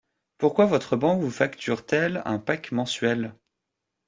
Pourquoi votre banque vous facture-t-elle un pack mensuel?